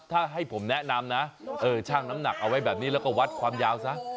ถ้าให้ผมแนะนำนะช่างน้ำหนักเอาไว้แบบนี้แล้วก็วัดความยาวซะ